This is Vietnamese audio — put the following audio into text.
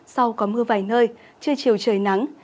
sau có mưa vài nơi chưa chiều trời nắng